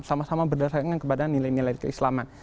raja salman terus menegaskan bahwa dia memiliki nilai nilai keislaman